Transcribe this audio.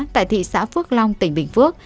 tại thị xã phước long tỉnh bình phước